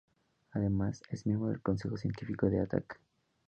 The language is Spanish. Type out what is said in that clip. Además, es miembro del consejo científico de Attac.